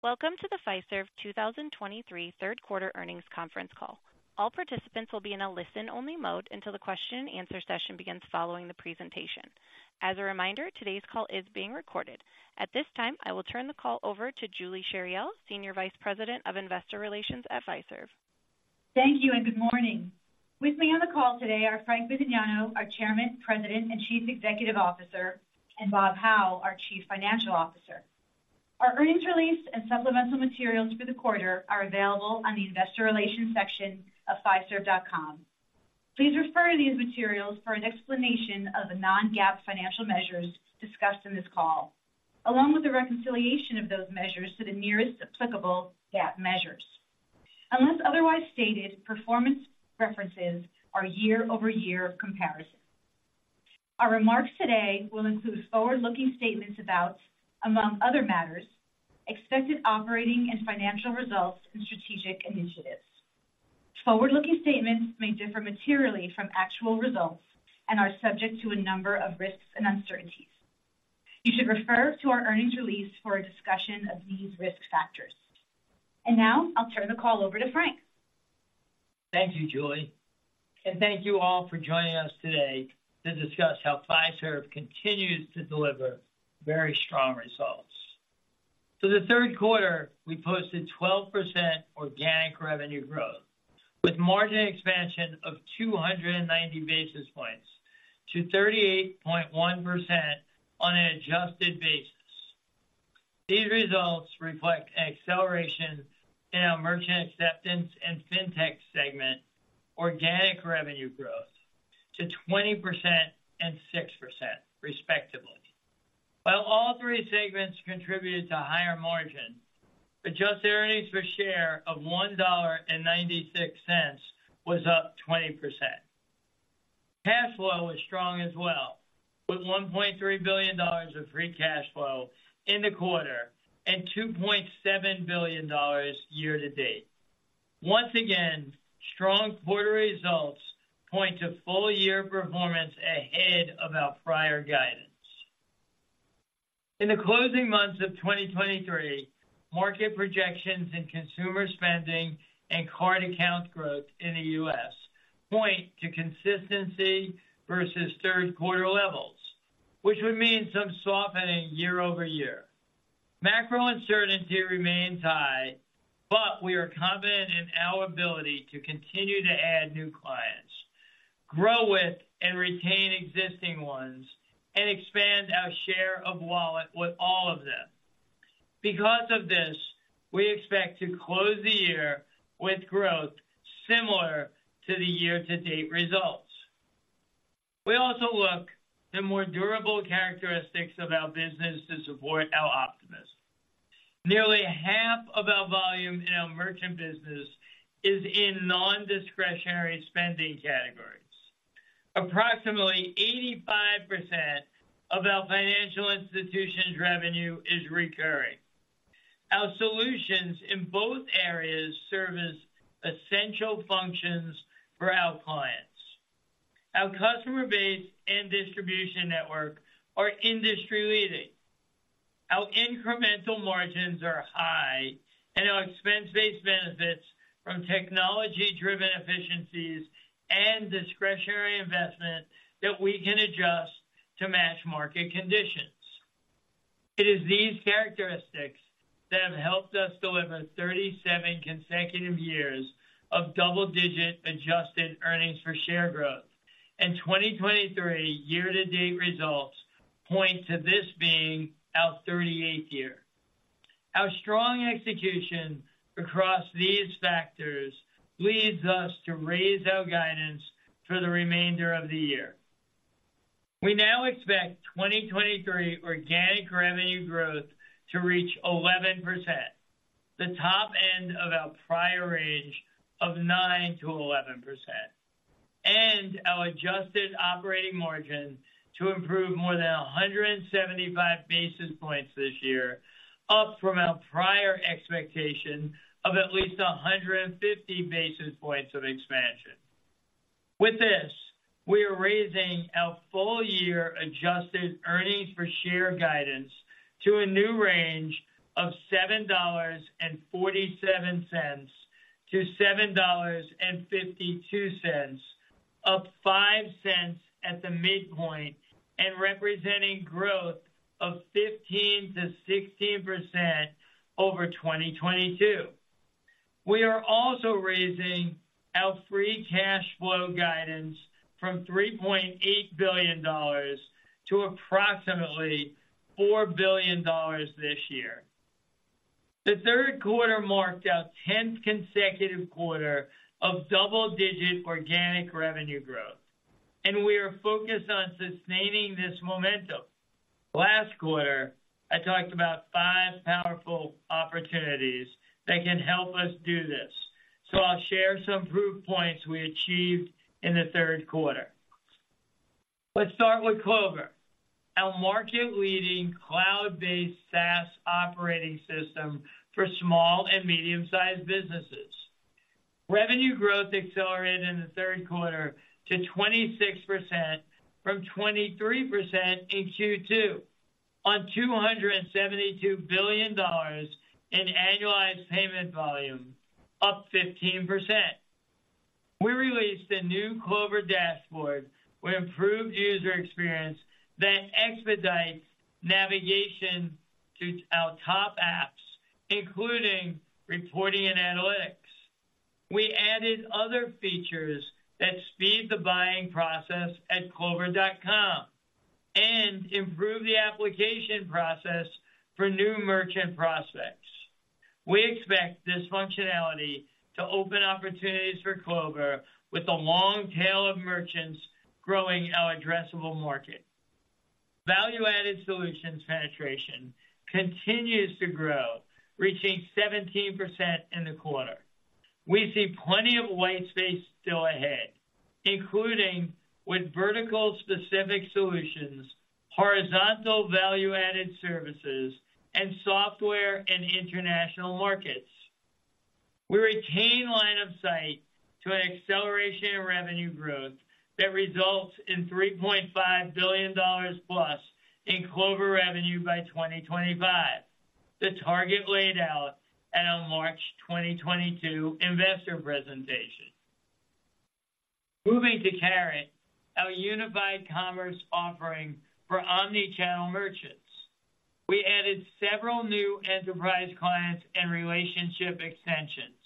Welcome to the Fiserv 2023 third quarter earnings conference call. All participants will be in a listen-only mode until the question-and-answer session begins following the presentation. As a reminder, today's call is being recorded. At this time, I will turn the call over to Julie Chariell, Senior Vice President of Investor Relations at Fiserv. Thank you, and good morning. With me on the call today are Frank Bisignano, our Chairman, President, and Chief Executive Officer, and Bob Hau, our Chief Financial Officer. Our earnings release and supplemental materials for the quarter are available on the investor relations section of Fiserv.com. Please refer to these materials for an explanation of the non-GAAP financial measures discussed in this call, along with the reconciliation of those measures to the nearest applicable GAAP measures. Unless otherwise stated, performance references are year-over-year comparison. Our remarks today will include forward-looking statements about, among other matters, expected operating and financial results and strategic initiatives. Forward-looking statements may differ materially from actual results and are subject to a number of risks and uncertainties. You should refer to our earnings release for a discussion of these risk factors. Now I'll turn the call over to Frank. Thank you, Julie, and thank you all for joining us today to discuss how Fiserv continues to deliver very strong results. For the third quarter, we posted 12% organic revenue growth with margin expansion of 290 basis points to 38.1% on an adjusted basis. These results reflect acceleration in our merchant acceptance and Fintech segment, organic revenue growth to 20% and 6% respectively. While all three segments contributed to higher margin, adjusted earnings per share of $1.96 was up 20%. Cash flow was strong as well, with $1.3 billion of free cash flow in the quarter and $2.7 billion year to date. Once again, strong quarter results point to full-year performance ahead of our prior guidance. In the closing months of 2023, market projections in consumer spending and card account growth in the U.S. point to consistency versus third quarter levels, which would mean some softening year-over-year. Macro uncertainty remains high, but we are confident in our ability to continue to add new clients, grow with and retain existing ones, and expand our share of wallet with all of them. Because of this, we expect to close the year with growth similar to the year-to-date results. We also look the more durable characteristics of our business to support our optimism. Nearly half of our volume in our merchant business is in non-discretionary spending categories. Approximately 85% of our financial institutions' revenue is recurring. Our solutions in both areas serve as essential functions for our clients. Our customer base and distribution network are industry-leading. Our incremental margins are high and our expense-based benefits from technology-driven efficiencies and discretionary investment that we can adjust to match market conditions. It is these characteristics that have helped us deliver 37 consecutive years of double-digit adjusted earnings per share growth, and 2023 year-to-date results point to this being our 38th year. Our strong execution across these factors leads us to raise our guidance for the remainder of the year. We now expect 2023 organic revenue growth to reach 11%, the top end of our prior range of 9%-11%, and our adjusted operating margin to improve more than 175 basis points this year, up from our prior expectation of at least 150 basis points of expansion. With this, we are raising our full-year adjusted earnings per share guidance to a new range of $7.47-$7.52, up $0.05 at the midpoint and representing growth of 15%-16% over 2022. We are also raising our free cash flow guidance from $3.8 billion to approximately $4 billion this year. The third quarter marked our 10th consecutive quarter of double-digit organic revenue growth, and we are focused on sustaining this momentum. Last quarter, I talked about five powerful opportunities that can help us do this, so I'll share some proof points we achieved in the third quarter. Let's start with Clover, our market-leading cloud-based SaaS operating system for small and medium-sized businesses. Revenue growth accelerated in the third quarter to 26% from 23% in Q2, on $272 billion in annualized payment volume, up 15%. We released a new Clover dashboard with improved user experience that expedites navigation to our top apps, including reporting and analytics. We added other features that speed the buying process at Clover.com and improve the application process for new merchant prospects. We expect this functionality to open opportunities for Clover with a long tail of merchants growing our addressable market. Value-added solutions penetration continues to grow, reaching 17% in the quarter. We see plenty of white space still ahead, including with vertical-specific solutions, horizontal value-added services, and software in international markets. We retain line of sight to an acceleration in revenue growth that results in $3.5 billion+ in Clover revenue by 2025. The target laid out at our March 2022 investor presentation. Moving to Carat, our unified commerce offering for omni-channel merchants. We added several new enterprise clients and relationship extensions,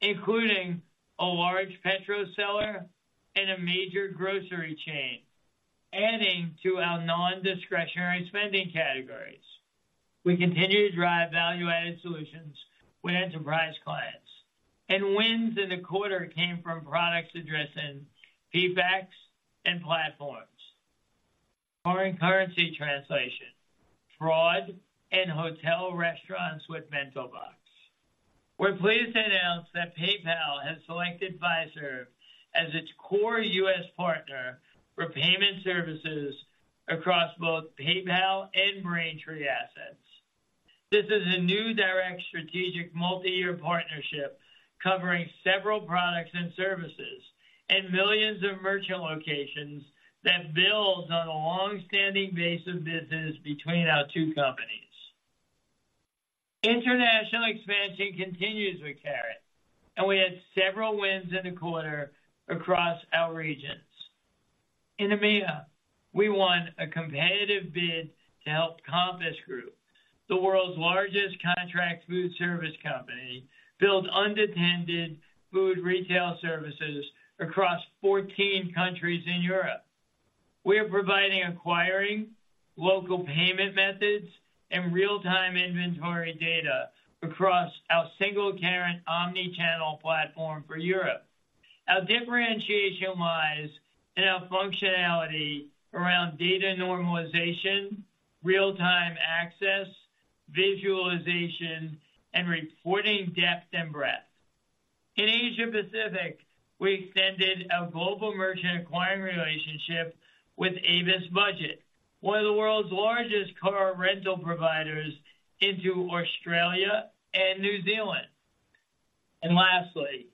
including a large petrol seller and a major grocery chain, adding to our non-discretionary spending categories. We continue to drive value-added solutions with enterprise clients, and wins in the quarter came from products addressing feedbacks and platforms, foreign currency translation, fraud, and hotel restaurants with BentoBox. We're pleased to announce that PayPal has selected Fiserv as its core U.S. partner for payment services across both PayPal and Braintree assets. This is a new direct strategic multi-year partnership covering several products and services, and millions of merchant locations that builds on a long-standing base of business between our two companies. International expansion continues with Carat, and we had several wins in the quarter across our regions. In EMEA, we won a competitive bid to help Compass Group, the world's largest contract food service company, build unattended food retail services across 14 countries in Europe. We are providing acquiring local payment methods and real-time inventory data across our single Carat omni-channel platform for Europe. Our differentiation lies in our functionality around data normalization, real-time access, visualization, and reporting depth and breadth. In Asia-Pacific, we extended our global merchant acquiring relationship with Avis Budget, one of the world's largest car rental providers, into Australia and New Zealand. Lastly,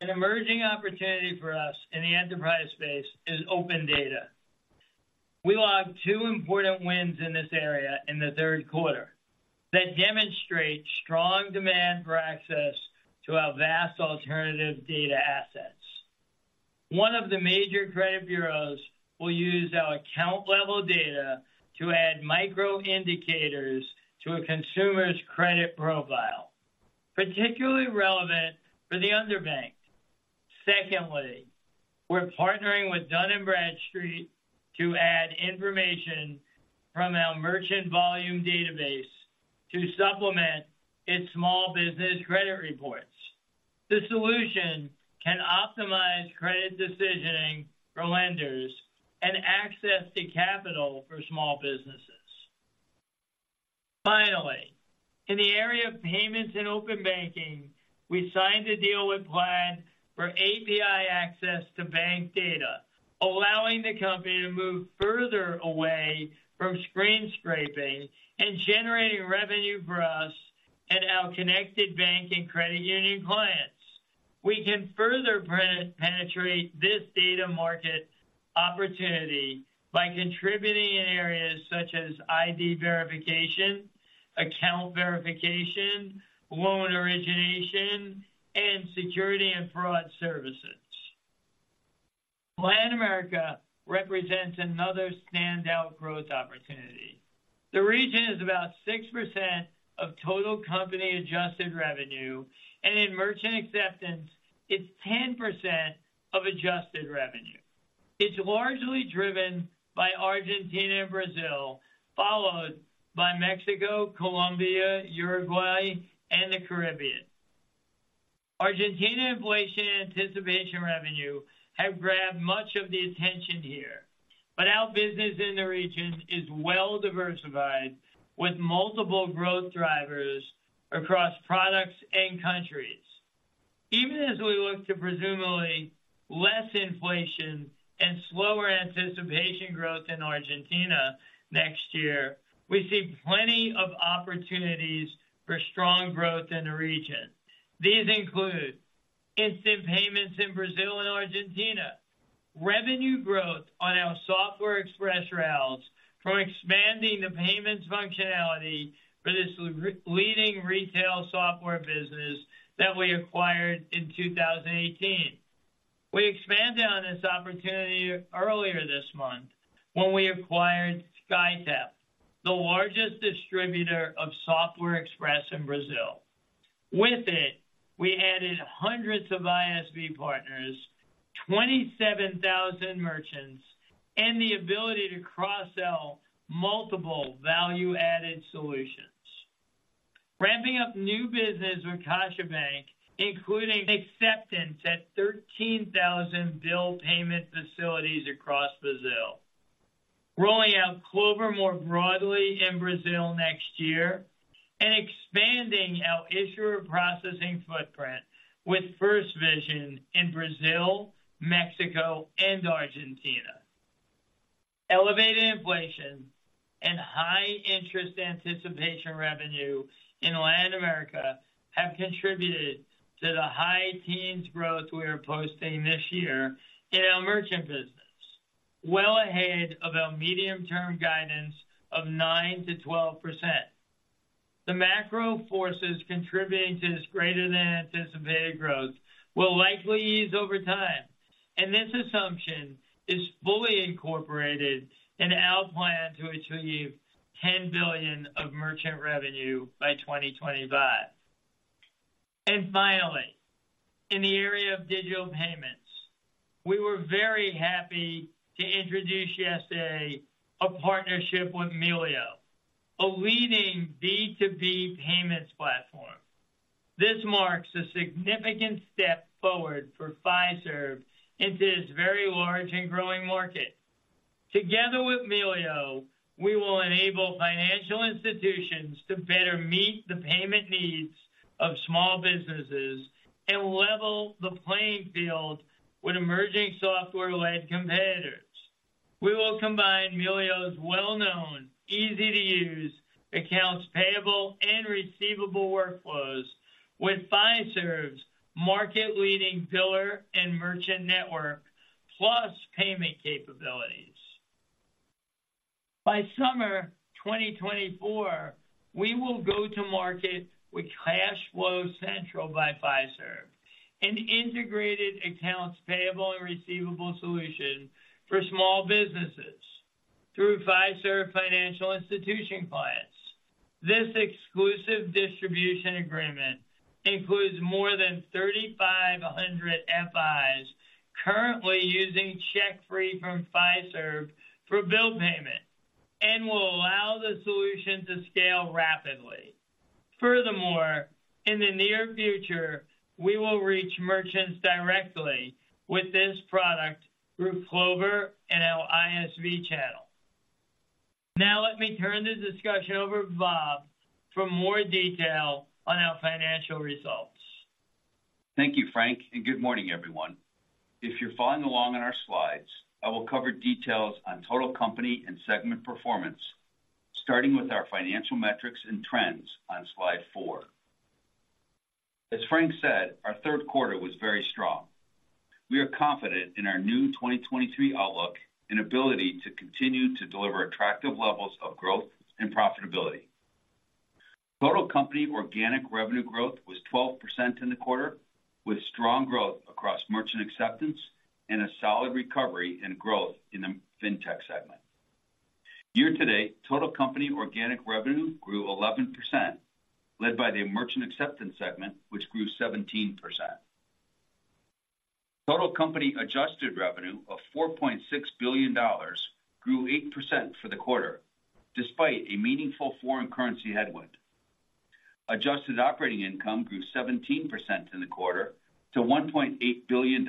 an emerging opportunity for us in the enterprise space is open data. We logged two important wins in this area in the third quarter, that demonstrate strong demand for access to our vast alternative data assets. One of the major credit bureaus will use our account-level data to add micro indicators to a consumer's credit profile, particularly relevant for the underbanked. Secondly, we're partnering with Dun & Bradstreet to add information from our merchant volume database to supplement its small business credit reports. The solution can optimize credit decisioning for lenders and access to capital for small businesses. Finally, in the area of payments and open banking, we signed a deal with Plaid for API access to bank data, allowing the company to move further away from screen scraping and generating revenue for us at our connected bank and credit union clients. We can further penetrate this data market opportunity by contributing in areas such as ID verification, account verification, loan origination, and security and fraud services. Latin America represents another standout growth opportunity. The region is about 6% of total company adjusted revenue, and in merchant acceptance, it's 10% of adjusted revenue. It's largely driven by Argentina and Brazil, followed by Mexico, Colombia, Uruguay, and the Caribbean. Argentina inflation anticipation revenue have grabbed much of the attention here, but our business in the region is well diversified, with multiple growth drivers across products and countries. Even as we look to presumably less inflation and slower anticipation growth in Argentina next year, we see plenty of opportunities for strong growth in the region. These include instant payments in Brazil and Argentina, revenue growth on our Software Express rails from expanding the payments functionality for this leading retail software business that we acquired in 2018. We expanded on this opportunity earlier this month when we acquired Skytef, the largest distributor of Software Express in Brazil. With it, we added hundreds of ISV partners, 27,000 merchants, and the ability to cross-sell multiple value-added solutions. Ramping up new business with Caixa Bank, including acceptance at 13,000 bill payment facilities across Brazil. Rolling out Clover more broadly in Brazil next year, and expanding our issuer processing footprint with FirstVision in Brazil, Mexico, and Argentina. Elevated inflation and high interest anticipation revenue in Latin America have contributed to the high teens growth we are posting this year in our merchant business, well ahead of our medium-term guidance of 9%-12%. The macro forces contributing to this greater than anticipated growth will likely ease over time, and this assumption is fully incorporated in our plan to achieve $10 billion of merchant revenue by 2025. And finally, in the area of digital payments, we were very happy to introduce yesterday a partnership with Melio, a leading B2B payments platform. This marks a significant step forward for Fiserv into this very large and growing market. Together with Melio, we will enable financial institutions to better meet the payment needs of small businesses and level the playing field with emerging software-led competitors. We will combine Melio's well-known, easy-to-use accounts payable and receivable workflows with Fiserv's market-leading biller and merchant network, plus payment capabilities. By summer 2024, we will go to market with CashFlow Central by Fiserv, an integrated accounts payable and receivable solution for small businesses through Fiserv financial institution clients. This exclusive distribution agreement includes more than 3,500 FIs currently using CheckFree from Fiserv for bill payment, and will allow the solution to scale rapidly. Furthermore, in the near future, we will reach merchants directly with this product through Clover and our ISV channel. Now, let me turn the discussion over to Bob for more detail on our financial results. Thank you, Frank, and good morning, everyone. If you're following along on our slides, I will cover details on total company and segment performance, starting with our financial metrics and trends on slide four. As Frank said, our third quarter was very strong. We are confident in our new 2023 outlook and ability to continue to deliver attractive levels of growth and profitability. Total company organic revenue growth was 12% in the quarter, with strong growth across merchant acceptance and a solid recovery and growth in the Fintech segment. Year-to-date, total company organic revenue grew 11%, led by the merchant acceptance segment, which grew 17%. Total company adjusted revenue of $4.6 billion grew 8% for the quarter, despite a meaningful foreign currency headwind. Adjusted operating income grew 17% in the quarter to $1.8 billion,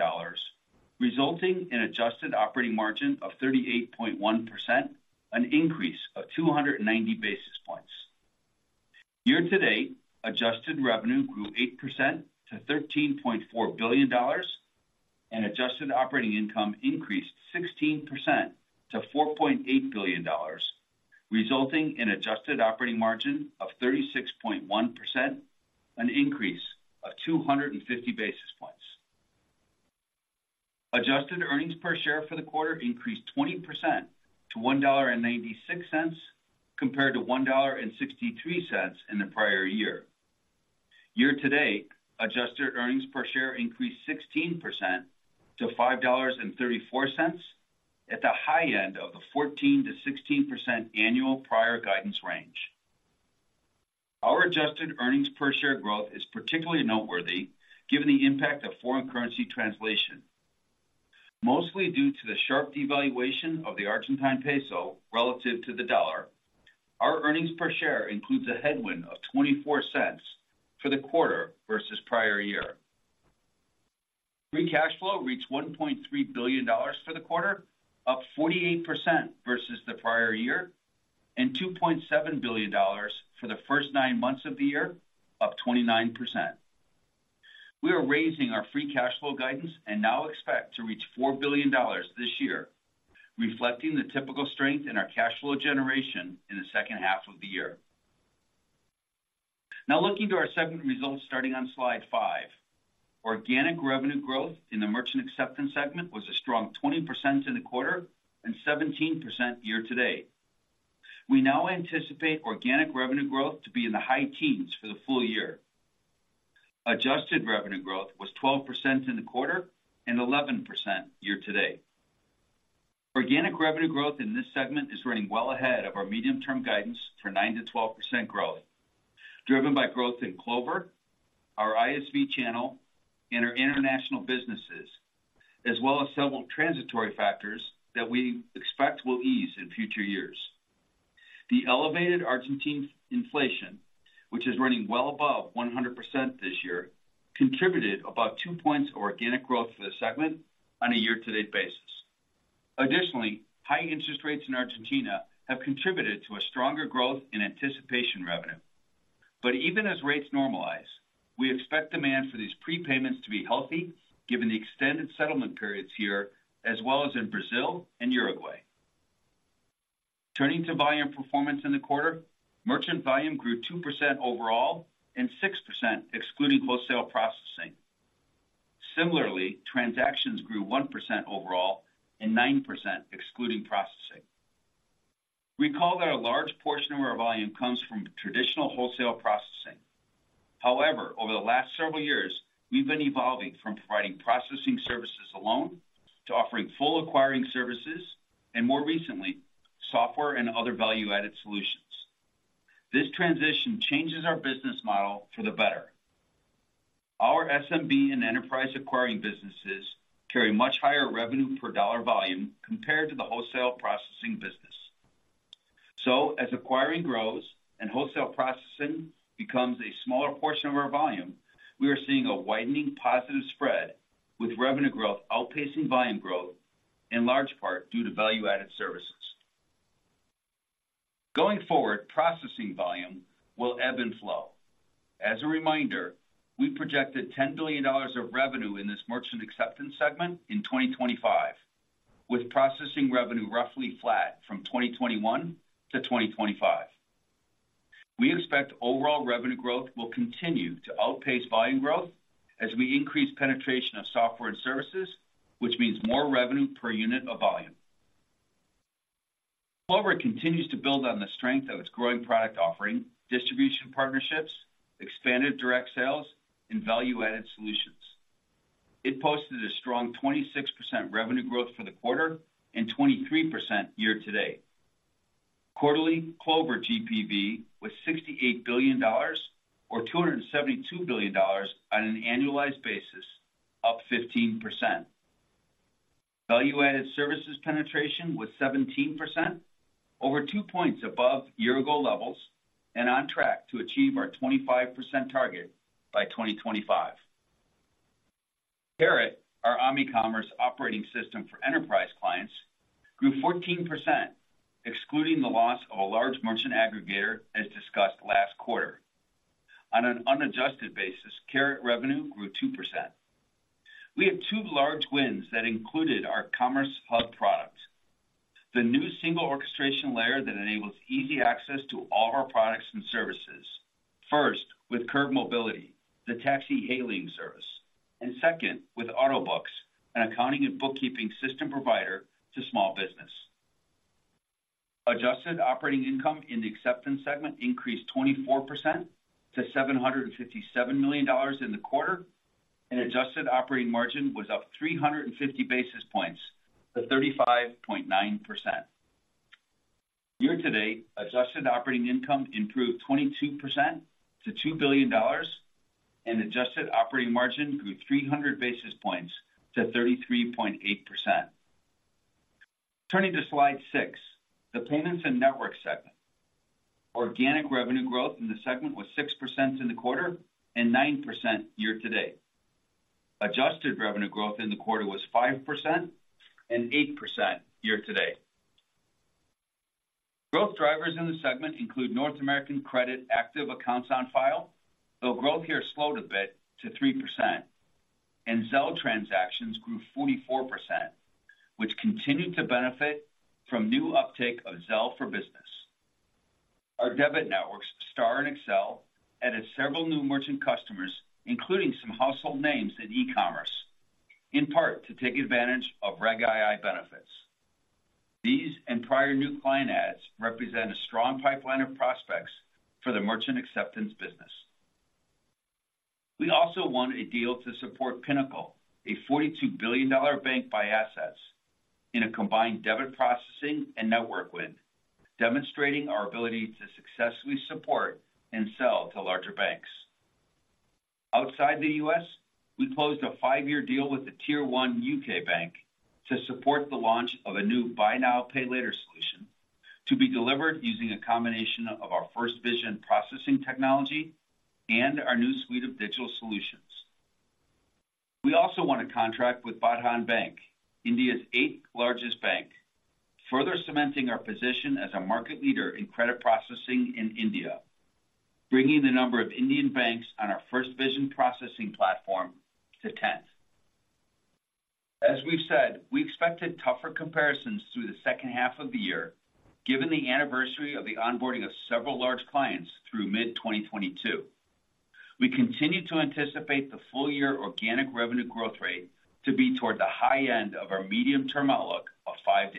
resulting in adjusted operating margin of 38.1%, an increase of 290 basis points. Year-to-date, adjusted revenue grew 8% to $13.4 billion, and adjusted operating income increased 16% to $4.8 billion, resulting in adjusted operating margin of 36.1%, an increase of 250 basis points. Adjusted earnings per share for the quarter increased 20% to $1.96, compared to $1.63 in the prior year. Year-to-date, adjusted earnings per share increased 16% to $5.34, at the high end of the 14%-16% annual prior guidance range. Our adjusted earnings per share growth is particularly noteworthy given the impact of foreign currency translation. Mostly due to the sharp devaluation of the Argentine peso relative to the U.S. dollar, our earnings per share includes a headwind of $0.24 for the quarter versus prior year. Free cash flow reached $1.3 billion for the quarter, up 48% versus the prior year, and $2.7 billion for the first nine months of the year, up 29%. We are raising our free cash flow guidance and now expect to reach $4 billion this year, reflecting the typical strength in our cash flow generation in the second half of the year. Now looking to our segment results, starting on slide five. Organic revenue growth in the merchant acceptance segment was a strong 20% in the quarter and 17% year to date. We now anticipate organic revenue growth to be in the high teens for the full year. Adjusted revenue growth was 12% in the quarter and 11% year to date. Organic revenue growth in this segment is running well ahead of our medium-term guidance for 9%-12% growth, driven by growth in Clover, our ISV channel, and our international businesses, as well as several transitory factors that we expect will ease in future years. The elevated Argentine inflation, which is running well above 100% this year, contributed about two points of organic growth for the segment on a year-to-date basis. Additionally, high interest rates in Argentina have contributed to a stronger growth in anticipation revenue. But even as rates normalize, we expect demand for these prepayments to be healthy, given the extended settlement periods here, as well as in Brazil and Uruguay. Turning to volume performance in the quarter, merchant volume grew 2% overall and 6% excluding wholesale processing. Similarly, transactions grew 1% overall and 9% excluding processing. Recall that a large portion of our volume comes from traditional wholesale processing. However, over the last several years, we've been evolving from providing processing services alone to offering full acquiring services and more recently, software and other value-added solutions. This transition changes our business model for the better. Our SMB and enterprise acquiring businesses carry much higher revenue per dollar volume compared to the wholesale processing business. So as acquiring grows and wholesale processing becomes a smaller portion of our volume, we are seeing a widening positive spread, with revenue growth outpacing volume growth, in large part due to value-added services. Going forward, processing volume will ebb and flow. As a reminder, we projected $10 billion of revenue in this merchant acceptance segment in 2025, with processing revenue roughly flat from 2021 to 2025. We expect overall revenue growth will continue to outpace volume growth as we increase penetration of software and services, which means more revenue per unit of volume. Clover continues to build on the strength of its growing product, offering distribution partnerships, expanded direct sales, and value-added solutions. It posted a strong 26% revenue growth for the quarter and 23% year to date. Quarterly Clover GPV was $68 billion, or $272 billion on an annualized basis, up 15%. Value-added services penetration was 17%, over two points above year-ago levels, and on track to achieve our 25% target by 2025. Carat, our omni-commerce operating system for enterprise clients, grew 14%, excluding the loss of a large merchant aggregator, as discussed last quarter. On an unadjusted basis, Carat revenue grew 2%. We have two large wins that included our Commerce Hub product, the new single orchestration layer that enables easy access to all of our products and services. First, with Curb Mobility, the taxi hailing service, and second, with Autobooks, an accounting and bookkeeping system provider to small business. Adjusted operating income in the acceptance segment increased 24% to $757 million in the quarter, and adjusted operating margin was up 350 basis points to 35.9%. Year to date, adjusted operating income improved 22% to $2 billion, and adjusted operating margin grew 300 basis points to 33.8%. Turning to slide six, the payments and network segment. Organic revenue growth in the segment was 6% in the quarter and 9% year to date. Adjusted revenue growth in the quarter was 5% and 8% year-to-date. Growth drivers in the segment include North American Credit active accounts on file, though growth here slowed a bit to 3%, and Zelle transactions grew 44%, which continued to benefit from new uptake of Zelle for Business. Our debit networks, STAR and Accel, added several new merchant customers, including some household names in e-commerce, in part to take advantage of Reg II benefits. These and prior new client adds represent a strong pipeline of prospects for the merchant acceptance business. We also won a deal to support Pinnacle, a $42 billion bank by assets in a combined debit, processing, and network win, demonstrating our ability to successfully support and sell to larger banks. Outside the U.S., we closed a five-year deal with the Tier 1 U.K. bank to support the launch of a new buy now, pay later solution to be delivered using a combination of our FirstVision processing technology and our new suite of digital solutions. We also won a contract with Bandhan Bank, India's eighth largest bank, further cementing our position as a market leader in credit processing in India, bringing the number of Indian banks on our FirstVision processing platform to 10. As we've said, we expected tougher comparisons through the second half of the year, given the anniversary of the onboarding of several large clients through mid-2022. We continue to anticipate the full year organic revenue growth rate to be toward the high end of our medium-term outlook of 5%-8%.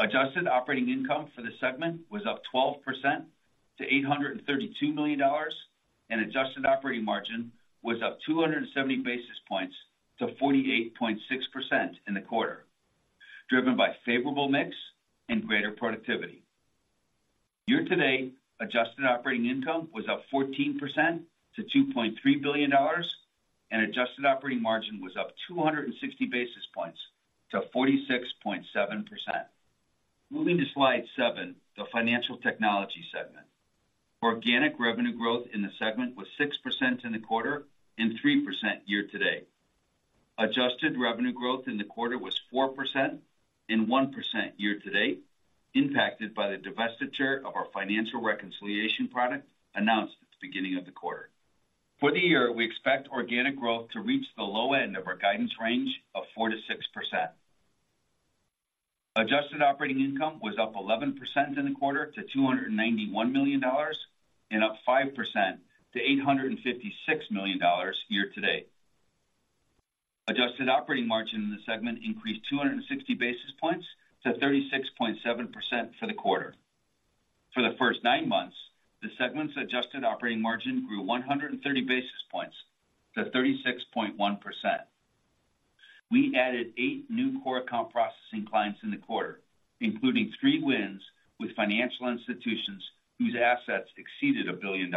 Adjusted operating income for the segment was up 12% to $832 million, and adjusted operating margin was up 270 basis points to 48.6% in the quarter, driven by favorable mix and greater productivity. Year-to-date, adjusted operating income was up 14% to $2.3 billion, and adjusted operating margin was up 260 basis points to 46.7%. Moving to slide seven, the financial technology segment. Organic revenue growth in the segment was 6% in the quarter and 3% year-to-date. Adjusted revenue growth in the quarter was 4% and 1% year-to-date, impacted by the divestiture of our financial reconciliation product announced at the beginning of the quarter. For the year, we expect organic growth to reach the low end of our guidance range of 4%-6%. Adjusted operating income was up 11% in the quarter to $291 million and up 5% to $856 million year-to-date. Adjusted operating margin in the segment increased 260 basis points to 36.7% for the quarter. For the first nine months, the segment's adjusted operating margin grew 130 basis points to 36.1%. We added eight new core account processing clients in the quarter, including three wins with financial institutions whose assets exceeded $1 billion.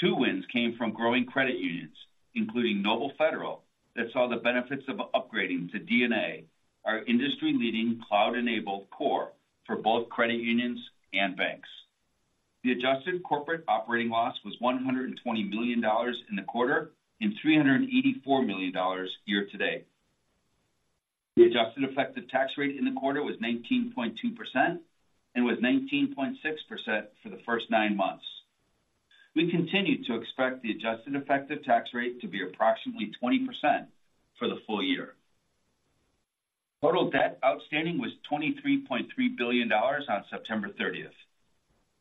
Two wins came from growing credit unions, including Noble-Federal, that saw the benefits of upgrading to DNA, our industry-leading cloud-enabled core for both credit unions and banks. The adjusted corporate operating loss was $120 million in the quarter, and $384 million year-to-date. The adjusted effective tax rate in the quarter was 19.2%, and was 19.6% for the first nine months. We continue to expect the adjusted effective tax rate to be approximately 20% for the full year. Total debt outstanding was $23.3 billion on September 30th,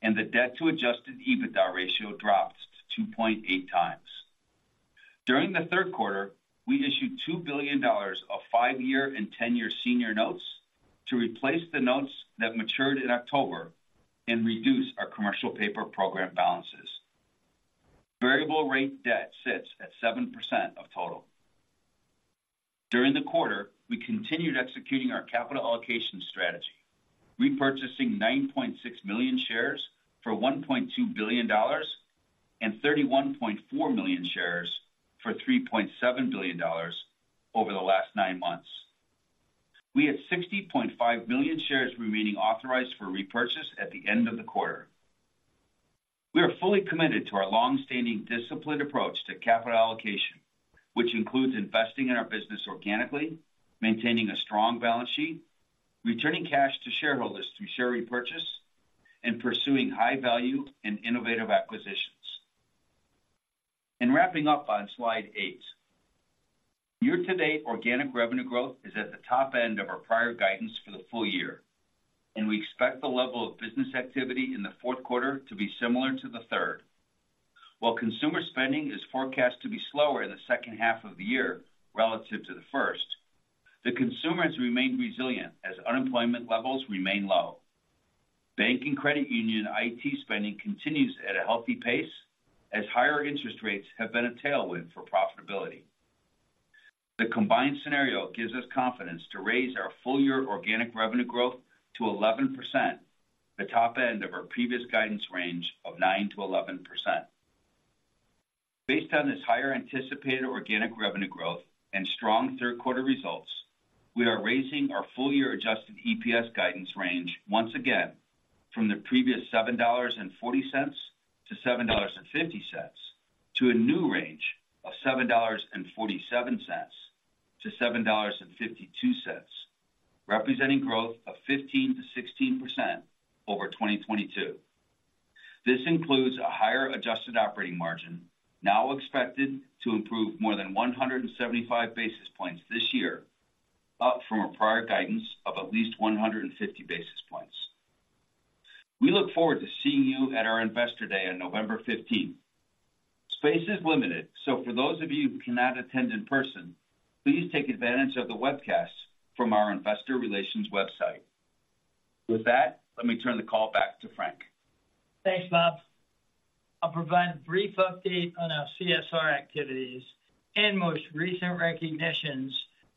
and the debt-to-adjusted EBITDA ratio dropped to 2.8x. During the third quarter, we issued $2 billion of five-year and 10-year senior notes to replace the notes that matured in October and reduce our commercial paper program balances. Variable rate debt sits at 7% of total. During the quarter, we continued executing our capital allocation strategy, repurchasing 9.6 million shares for $1.2 billion, and 31.4 million shares for $3.7 billion over the last nine months. We had 60.5 million shares remaining authorized for repurchase at the end of the quarter. We are fully committed to our long-standing disciplined approach to capital allocation, which includes investing in our business organically, maintaining a strong balance sheet, returning cash to shareholders through share repurchase, and pursuing high value and innovative acquisitions. Wrapping up on slide eight. Year-to-date, organic revenue growth is at the top end of our prior guidance for the full year, and we expect the level of business activity in the fourth quarter to be similar to the third. While consumer spending is forecast to be slower in the second half of the year relative to the first, the consumer has remained resilient as unemployment levels remain low. Bank and credit union IT spending continues at a healthy pace as higher interest rates have been a tailwind for profitability. The combined scenario gives us confidence to raise our full-year organic revenue growth to 11%, the top end of our previous guidance range of 9%-11%. Based on this higher anticipated organic revenue growth and strong third quarter results, we are raising our full-year adjusted EPS guidance range once again from the previous $7.40-$7.50, to a new range of $7.47-$7.52, representing growth of 15%-16% over 2022. This includes a higher adjusted operating margin, now expected to improve more than 175 basis points this year, up from a prior guidance of at least 150 basis points. We look forward to seeing you at our Investor Day on November 15th. Space is limited, so for those of you who cannot attend in person, please take advantage of the webcast from our investor relations website. With that, let me turn the call back to Frank. Thanks, Bob. I'll provide a brief update on our CSR activities and most recent recognitions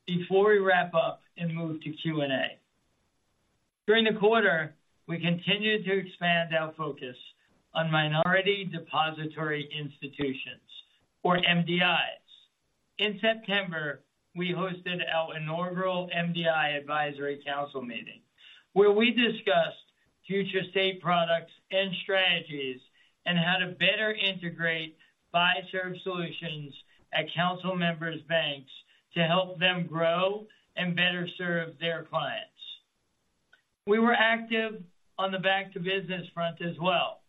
before we wrap up and move to Q&A. During the quarter, we continued to expand our focus on minority depository institutions, or MDI. In September, we hosted our inaugural MDI Advisory Council meeting, where we discussed future state products and strategies and how to better integrate Fiserv solutions at council members' banks to help them grow and better serve their clients. We were active on the back-to-business front as well.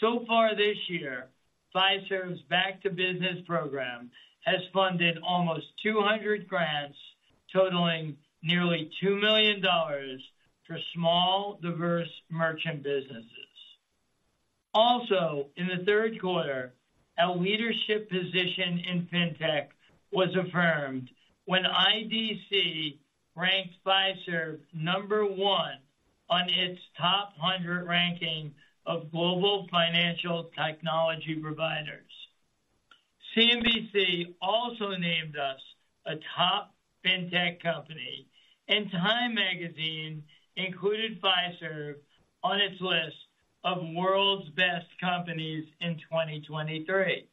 So far this year, Fiserv's Back to Business program has funded almost 200 grants, totaling nearly $2 million for small, diverse merchant businesses. Also, in the third quarter, our leadership position in Fintech was affirmed when IDC ranked Fiserv number one on its top 100 ranking of global financial technology providers. CNBC also named us a top Fintech company, and Time Magazine included Fiserv on its list of World's Best Companies in 2023.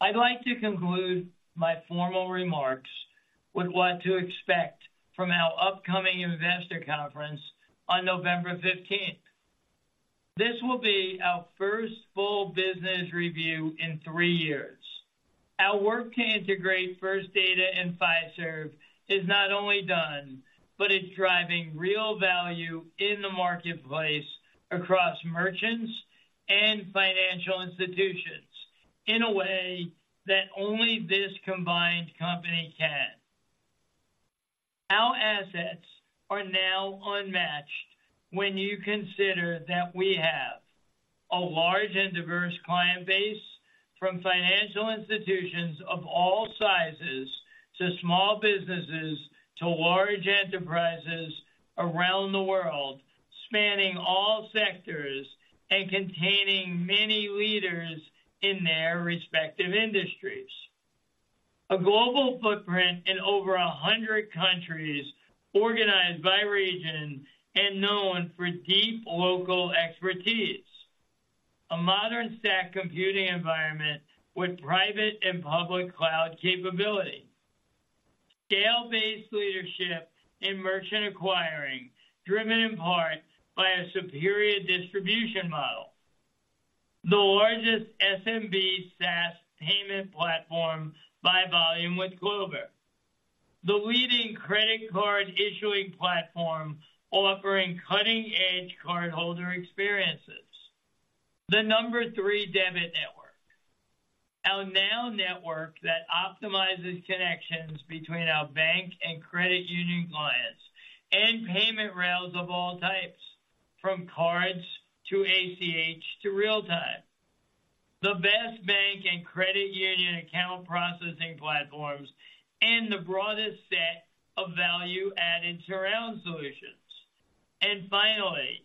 I'd like to conclude my formal remarks with what to expect from our upcoming investor conference on November 15th. This will be our first full business review in three years. Our work to integrate First Data and Fiserv is not only done, but it's driving real value in the marketplace across merchants and financial institutions in a way that only this combined company can. Our assets are now unmatched when you consider that we have a large and diverse client base, from financial institutions of all sizes, to small businesses, to large enterprises around the world, spanning all sectors and containing many leaders in their respective industries. A global footprint in over 100 countries, organized by region and known for deep local expertise. A modern stack computing environment with private and public cloud capability. Scale-based leadership in merchant acquiring, driven in part by a superior distribution model. The largest SMB SaaS payment platform by volume with Clover. The leading credit card issuing platform, offering cutting-edge cardholder experiences. The number three debit network. Our NOW Network that optimizes connections between our bank and credit union clients, and payment rails of all types, from cards to ACH to real time. The best bank and credit union account processing platforms and the broadest set of value-added surround solutions. And finally,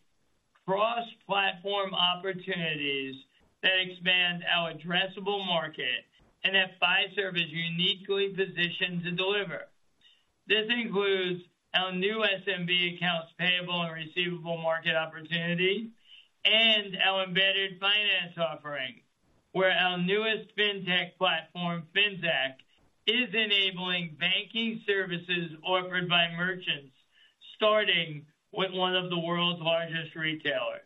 cross-platform opportunities that expand our addressable market and that Fiserv is uniquely positioned to deliver. This includes our new SMB accounts payable and receivable market opportunity and our embedded finance offering, where our newest fintech platform, Finxact, is enabling banking services offered by merchants, starting with one of the world's largest retailers.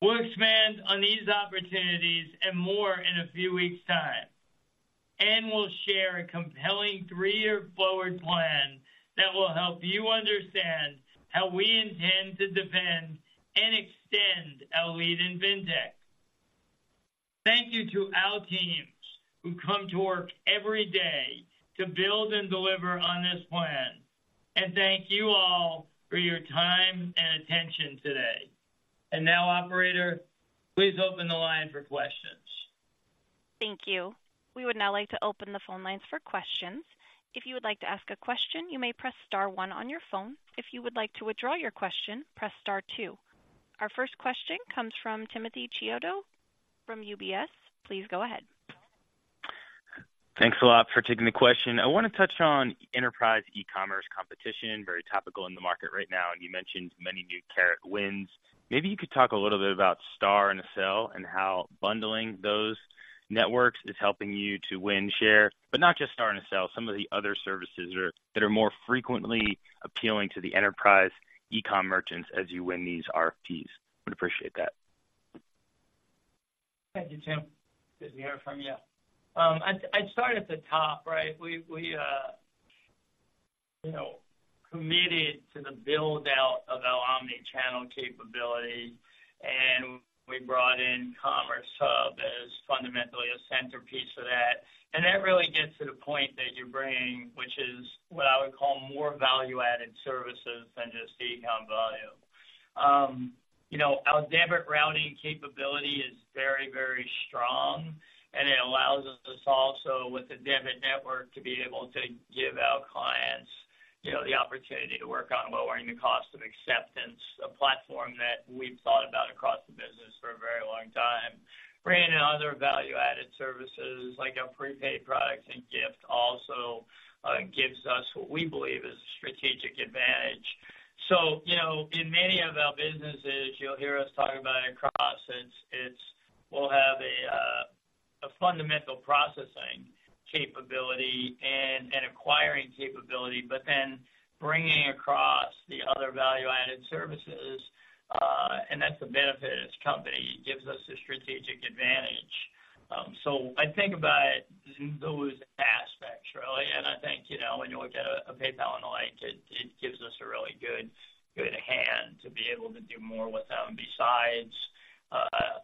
We'll expand on these opportunities and more in a few weeks' time, and we'll share a compelling three-year forward plan that will help you understand how we intend to defend and extend our lead in fintech. Thank you to our teams who come to work every day to build and deliver on this plan. Thank you all for your time and attention today. Now, operator, please open the line for questions. Thank you. We would now like to open the phone lines for questions. If you would like to ask a question, you may press star one on your phone. If you would like to withdraw your question, press star two. Our first question comes from Timothy Chiodo from UBS. Please go ahead. Thanks a lot for taking the question. I want to touch on enterprise e-commerce competition, very topical in the market right now, and you mentioned many new Carat wins. Maybe you could talk a little bit about STAR and Accel and how bundling those networks is helping you to win share, but not just STAR and Accel, some of the other services that are, that are more frequently appealing to the enterprise e-com merchants as you win these RFPs. Would appreciate that. Thank you, Tim. Good to hear from you. I'd start at the top, right? We you know, committed to the build-out of our omni-channel capability, and we brought in Commerce Hub as fundamentally a centerpiece of that. And that really gets to the point that you're bringing, which is what I would call more value-added services than just e-com volume. You know, our debit routing capability is very, very strong, and it allows us also, with the debit network, to be able to give our clients you know, the opportunity to work on lowering the cost of acceptance, a platform that we've thought about across the business for a very long time. Bringing in other value-added services like our prepaid products and gift also gives us what we believe is a strategic advantage. You know, in many of our businesses, you'll hear us talk about it across. It's we'll have a fundamental processing capability and an acquiring capability, but then bringing across the other value-added services, and that's a benefit as a company. It gives us a strategic advantage. So I think about it in those aspects, really, and I think, you know, when you look at a PayPal and the like, it gives us a really good hand to be able to do more with them besides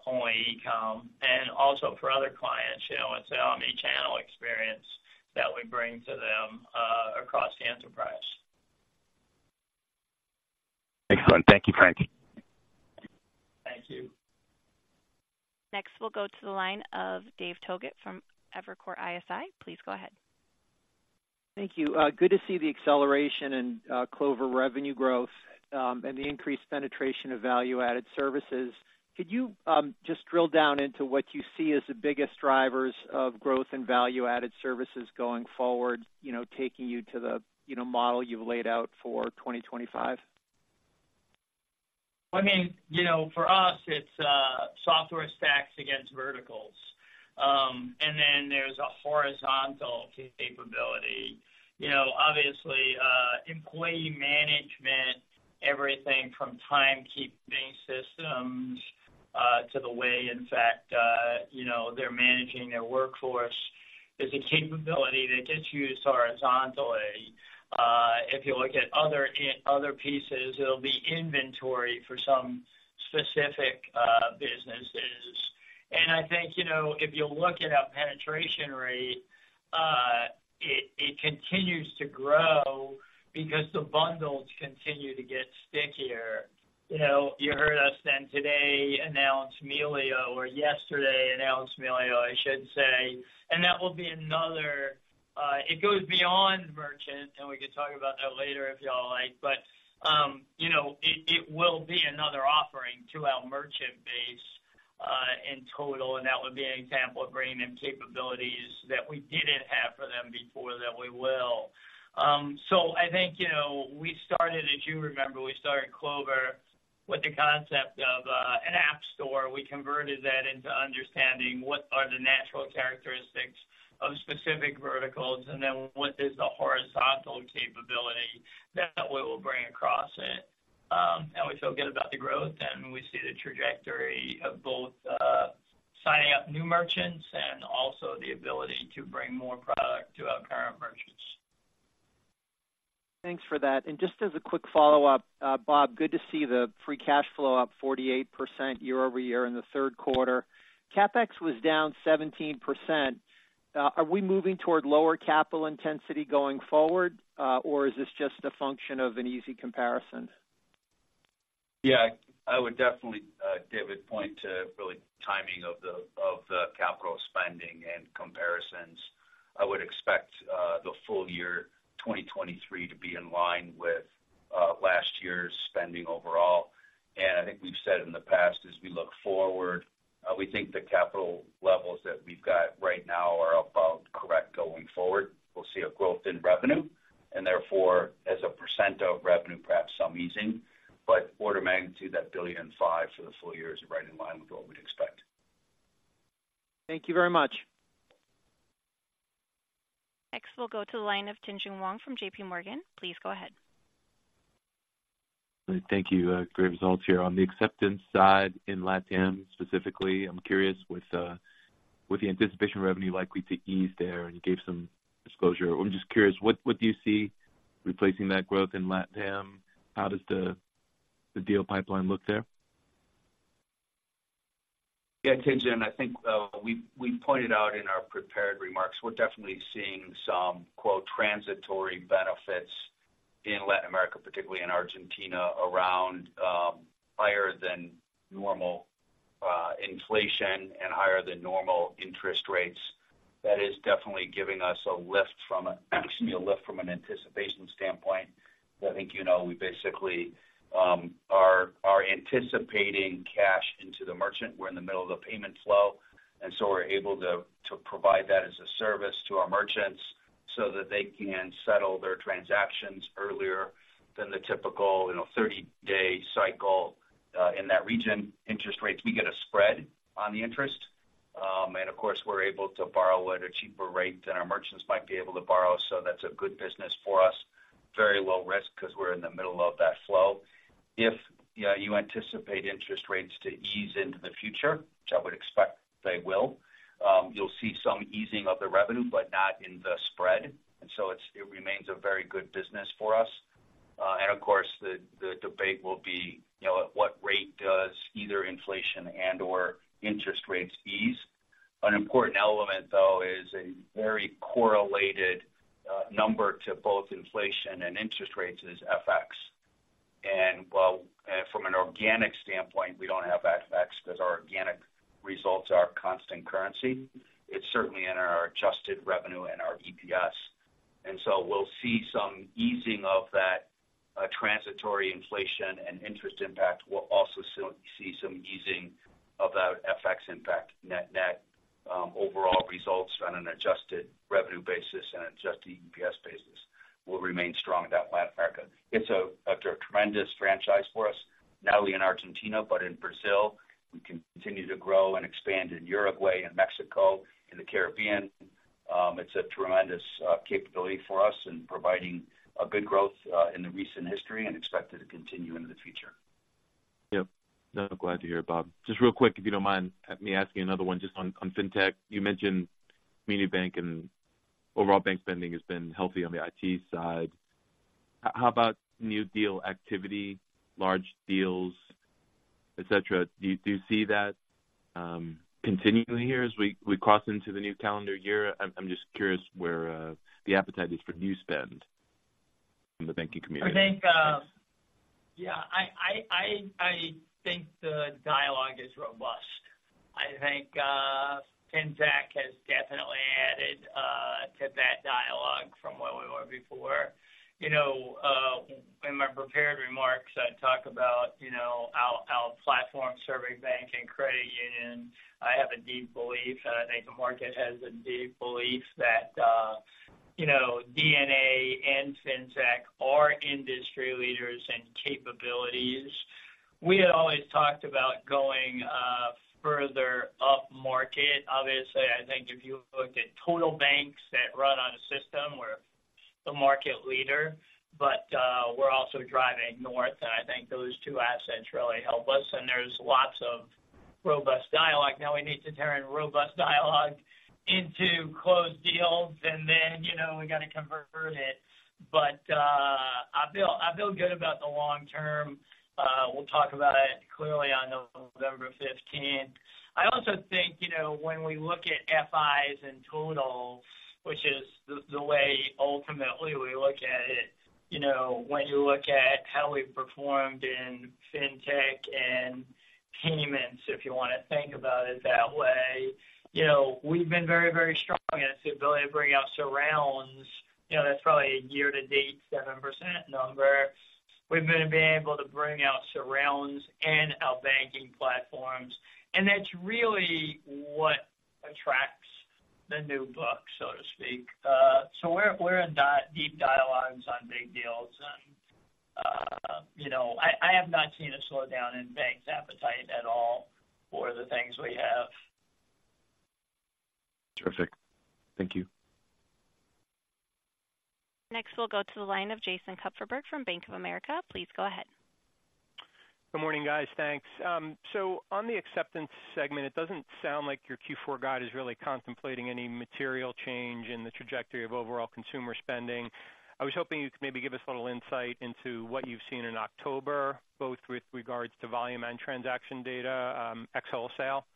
only e-com and also for other clients, you know, it's omni-channel experience that we bring to them across the enterprise. Excellent. Thank you, Frank. Thank you. Next, we'll go to the line of Dave Togut from Evercore ISI. Please go ahead. Thank you. Good to see the acceleration in Clover revenue growth, and the increased penetration of value-added services. Could you just drill down into what you see as the biggest drivers of growth and value-added services going forward, you know, taking you to the, you know, model you've laid out for 2025? I mean, you know, for us, it's software stacks against verticals. And then there's a horizontal capability. You know, obviously, employee management, everything from timekeeping systems, to the way, in fact, you know, they're managing their workforce is a capability that gets used horizontally. If you look at other pieces, it'll be inventory for some specific businesses. And I think, you know, if you look at our penetration rate, it continues to grow because the bundles continue to get stickier. You know, you heard us then today announce Melio, or yesterday announce Melio, I should say. And that will be another. It goes beyond merchant, and we could talk about that later, if you all like. But, you know, it, it will be another offering to our merchant base, in total, and that would be an example of bringing them capabilities that we didn't have for them before that we will. So I think, you know, we started, as you remember, we started Clover with the concept of, an app store. We converted that into understanding what are the natural characteristics of specific verticals, and then what is the horizontal capability that we will bring across it. And we feel good about the growth, and we see the trajectory of both, signing up new merchants and also the ability to bring more product to our current merchants. Thanks for that. Just as a quick follow-up, Bob, good to see the free cash flow up 48% year-over-year in the third quarter. CapEx was down 17%. Are we moving toward lower capital intensity going forward, or is this just a function of an easy comparison? Yeah, I would definitely, David, point to really timing of the, of the capital spending and comparisons. I would expect, the full year 2023 to be in line with, last year's spending overall. And I think we've said in the past, as we look forward, we think the capital levels that we've got right now are about correct going forward. We'll see a growth in revenue, and therefore, as a percent of revenue, perhaps some easing. But order of magnitude, that $1.05 billion for the full year is right in line with what we'd expect. Thank you very much. Next, we'll go to the line of Tien-Tsin Huang from JPMorgan. Please go ahead. Thank you. Great results here. On the acceptance side in LatAm, specifically, I'm curious, with, with the anticipation revenue likely to ease there, and you gave some disclosure. I'm just curious, what do you see replacing that growth in LatAm? How does the deal pipeline look there? Yeah, Tien-Tsin, I think, we pointed out in our prepared remarks, we're definitely seeing some, "transitory benefits" in Latin America, particularly in Argentina, around higher than normal inflation and higher than normal interest rates. That is definitely giving us a lift from actually, a lift from an anticipation standpoint. I think you know, we basically are anticipating cash into the merchant. We're in the middle of the payment flow, and so we're able to provide that as a service to our merchants so that they can settle their transactions earlier than the typical, you know, 30-day cycle in that region. Interest rates, we get a spread on the interest, and of course, we're able to borrow at a cheaper rate than our merchants might be able to borrow. So that's a good business for us. Very low risk because we're in the middle of that flow. If, you know, you anticipate interest rates to ease into the future, which I would expect they will, you'll see some easing of the revenue, but not in the spread, and so it's. It remains a very good business for us. And of course, the debate will be, you know, at what rate does either inflation and/or interest rates ease? An important element, though, is a very correlated number to both inflation and interest rates is FX. And while, from an organic standpoint, we don't have FX because our organic results are constant currency, it's certainly in our adjusted revenue and our EPS. And so we'll see some easing of that transitory inflation and interest impact. We'll also see some easing of that FX impact net-net. Overall results on an adjusted revenue basis and adjusted EPS basis will remain strong in Latin America. It's a tremendous franchise for us, not only in Argentina but in Brazil. We continue to grow and expand in Uruguay and Mexico, in the Caribbean. It's a tremendous capability for us in providing a good growth in the recent history and expected to continue into the future. Yep. No, glad to hear it, Bob. Just real quick, if you don't mind me asking another one just on fintech. You mentioned mini bank and overall bank spending has been healthy on the IT side. How about new deal activity, large deals, et cetera? Do you see that continuing here as we cross into the new calendar year? I'm just curious where the appetite is for new spend in the banking community. I think, yeah, I think the dialogue is robust. I think, Finxact has definitely added to that dialogue from where we were before. You know, in my prepared remarks, I talk about, you know, our platform serving bank and credit union. I have a deep belief, and I think the market has a deep belief that, you know, DNA and Finxact are industry leaders and capabilities. We had always talked about going further upmarket. Obviously, I think if you look at total banks that run on a system, we're the market leader, but, we're also driving north, and I think those two assets really help us, and there's lots of robust dialogue. Now, we need to turn robust dialogue into closed deals, and then, you know, we got to convert it. But I feel, I feel good about the long term. We'll talk about it clearly on November 15th. I also think, you know, when we look at FIs in total, which is the way ultimately we look at it, you know, when you look at how we've performed in fintech and payments, if you want to think about it that way, you know, we've been very, very strong in its ability to bring out surrounds. You know, that's probably a year-to-date 7% number. We've been able to bring out surrounds in our banking platforms, and that's really what attracts the new book, so to speak. So we're in deep dialogues on big deals, and, you know, I have not seen a slowdown in banks' appetite at all for the things we have. Terrific. Thank you. Next, we'll go to the line of Jason Kupferberg from Bank of America. Please go ahead. Good morning, guys. Thanks. So on the acceptance segment, it doesn't sound like your Q4 guide is really contemplating any material change in the trajectory of overall consumer spending. I was hoping you could maybe give us a little insight into what you've seen in October, both with regards to volume and transaction data, ex wholesale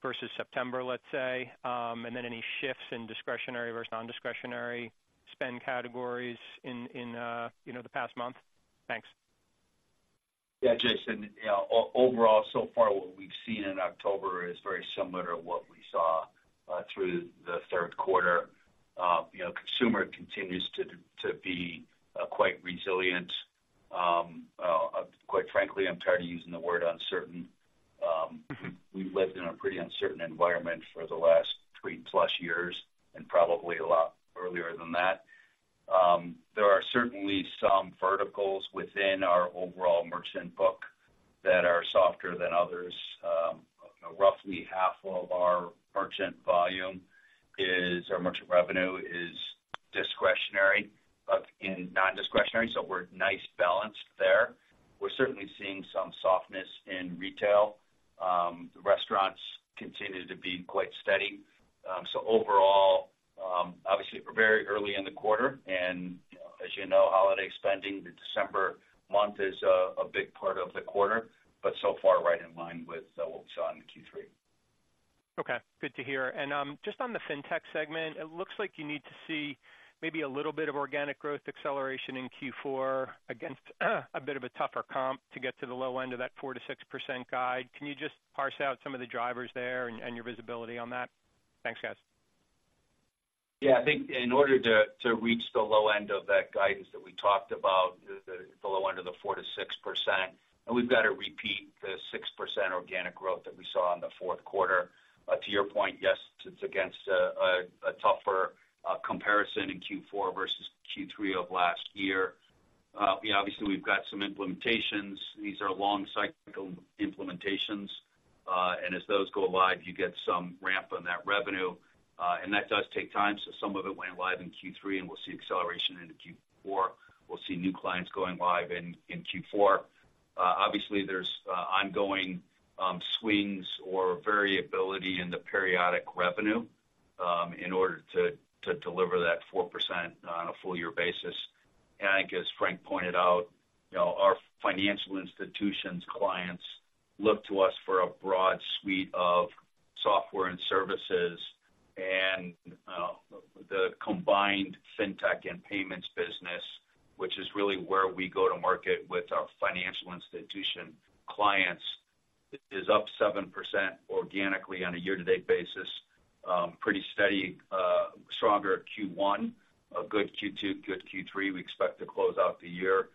versus September, let's say, and then any shifts in discretionary versus non-discretionary spend categories in, you know, the past month? Thanks. Yeah, Jason. Overall, so far, what we've seen in October is very similar to what we saw through the third quarter. You know, consumer continues to be quite resilient. Quite frankly, I'm tired of using the word uncertain. We've lived in a pretty uncertain environment for the last three-plus years and probably a lot earlier than that. There are certainly some verticals within our overall merchant book that are softer than others. Roughly half of our merchant volume, our merchant revenue, is discretionary in non-discretionary, so we're nice balanced there. We're certainly seeing some softness in retail. Restaurants continue to be quite steady. So overall, obviously, we're very early in the quarter, and as you know, holiday spending, the December month is a big part of the quarter, but so far, right in line with what we saw in Q3. Okay, good to hear. And, just on the fintech segment, it looks like you need to see maybe a little bit of organic growth acceleration in Q4 against, a bit of a tougher comp to get to the low end of that 4%-6% guide. Can you just parse out some of the drivers there and, and your visibility on that? Thanks, guys. Yeah, I think in order to reach the low end of that guidance that we talked about, the low end of the 4%-6%, and we've got to repeat the 6% organic growth that we saw in the fourth quarter. To your point, yes, it's against a tougher comparison in Q4 versus Q3 of last year. Obviously, we've got some implementations. These are long cycle implementations, and as those go live, you get some ramp on that revenue, and that does take time. So some of it went live in Q3, and we'll see acceleration into Q4. We'll see new clients going live in Q4. Obviously, there's ongoing swings or variability in the periodic revenue, in order to deliver that 4% on a full year basis. I think as Frank pointed out, you know, our financial institutions clients look to us for a broad suite of software and services. The combined fintech and payments business, which is really where we go to market with our financial institution clients, is up 7% organically on a year-to-date basis, pretty steady, stronger Q1, a good Q2, good Q3. We expect to close out the year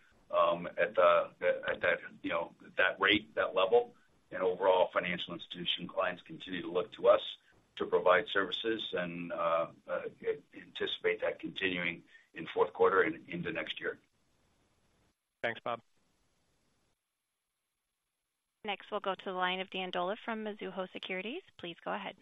at that, you know, that rate, that level. Overall financial institution clients continue to look to us to provide services and anticipate that continuing in fourth quarter and into next year. Thanks, Bob. Next, we'll go to the line of Dan Dolev from Mizuho Securities. Please go ahead.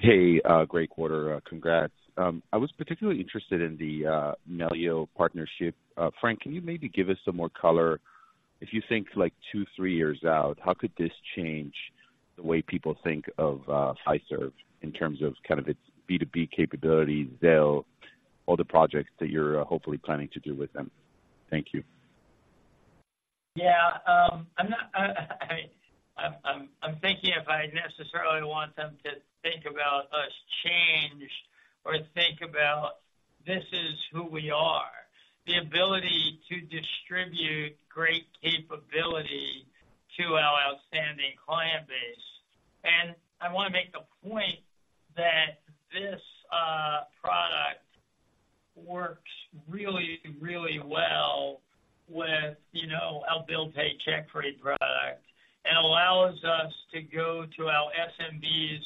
Hey, great quarter. Congrats. I was particularly interested in the Melio partnership. Frank, can you maybe give us some more color? If you think like two, three years out, how could this change the way people think of Fiserv in terms of kind of its B2B capabilities, Zelle, all the projects that you're hopefully planning to do with them? Thank you. Yeah, I'm not thinking if I necessarily want them to think about us change or think about this is who we are. The ability to distribute great capability to our outstanding client base. And I want to make the point that this product works really, really well with, you know, our BillPay CheckFree product, and allows us to go to our SMBs